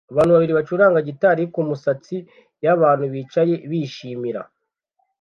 Abantu babiri bacuranga gitari kumatsinda yabantu bicaye bishimira